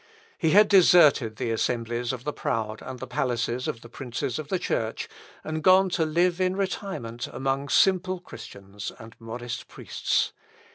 He had deserted the assemblies of the proud, and the palaces of the princes of the Church, and gone to live in retirement among simple Christians and modest priests.